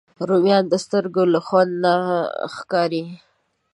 رومیان له سترګو نه خوندور ښکاري